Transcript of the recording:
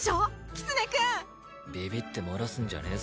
キツネ君ビビって漏らすんじゃねえ